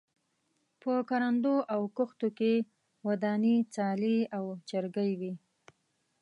په کروندو او کښتو کې ودانې څالې او چرګۍ وې.